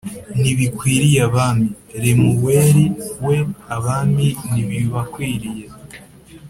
Ntibikwiriye abami, lemuweli we, abami ntibibakwiriye